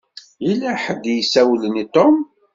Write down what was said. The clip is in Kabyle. Yella ḥedd i s-isawlen i Tom.